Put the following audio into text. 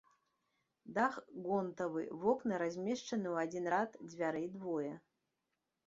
Дах гонтавы, вокны размешчаны ў адзін рад, дзвярэй двое.